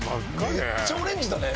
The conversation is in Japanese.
めっちゃオレンジだね。